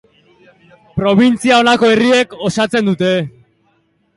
Probintzia honako herriek osatzen dute.